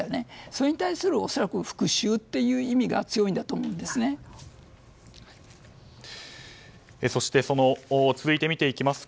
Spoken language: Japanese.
それに対する恐らく復讐という意味が強いんだと思います。